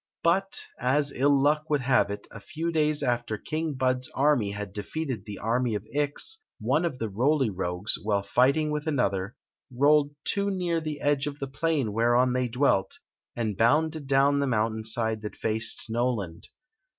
But, as ill luck would have itv a few days after King Bud s army had defeated the army of Ix, one of the Roly Rogues, while fighting with another, rolled too near the edge of the plain whereon they dwelt, and bounded down the mountain side that faced Noland.